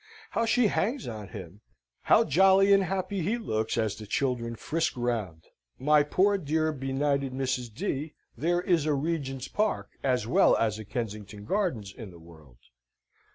How she hangs on him! how jolly and happy he looks, as the children frisk round! My poor dear benighted Mrs. D., there is a Regent's Park as well as a Kensington Gardens in the world.